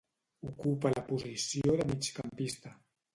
Ocupa la posició de migcampista.